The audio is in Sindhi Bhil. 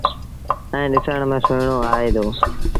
ائيٚݩ ڏسڻ ميݩ سُوئيڻون آئي دو۔